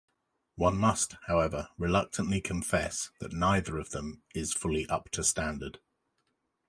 One must, however, reluctantly confess that neither of them is fully up to standard.